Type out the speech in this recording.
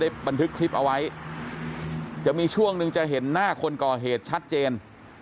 บันทึกคลิปเอาไว้จะมีช่วงหนึ่งจะเห็นหน้าคนก่อเหตุชัดเจน